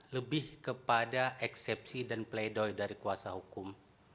lebih kepada eksepsi dan pleidoy dari kuasa hukum